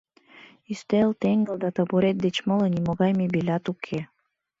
Ӱстел, теҥгыл да табурет деч моло нимогай мебелят уке.